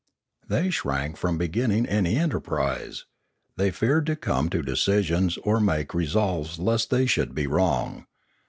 They shrank from beginning any enterprise; they feared to come to decisions or make resolves, lest they should be wrong.